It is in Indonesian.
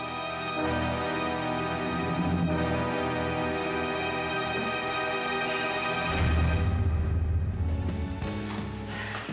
kamilah yang terang terang